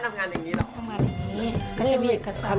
ซันเชค๑๐ล้านอะ